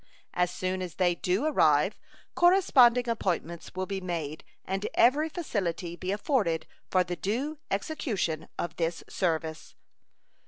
As soon as they do arrive corresponding appointments will be made and every facility be afforded for the due execution of this service.